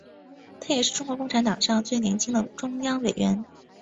他也是中共党史上最年轻的中央委员。